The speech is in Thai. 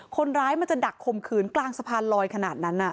คนร้ายมันจะดักข่มขืนกลางสะพานลอยขนาดนั้น